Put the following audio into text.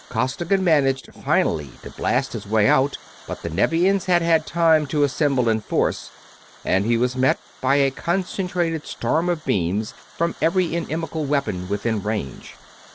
Costigan managed finally to blast his way out, but the Nevians had had time to assemble in force and he was met by a concentrated storm of beams and of metal from every inimical weapon within range.